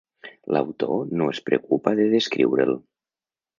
L'autor no es preocupa de descriure'l.